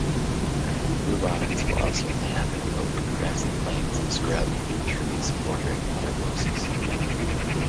Bluebonnets will also inhabit open grassy plains, scrub, and trees bordering watercourses.